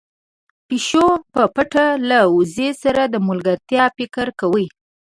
پيشو په پټه له وزې سره د ملګرتيا فکر کوي.